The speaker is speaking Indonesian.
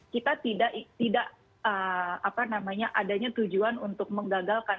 kita tidak adanya tujuan untuk menggagalkan